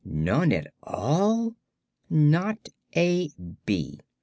"None at all?" "Not a bee.